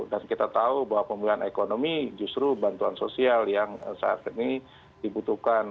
dan kita tahu bahwa pemulihan ekonomi justru bantuan sosial yang saat ini dibutuhkan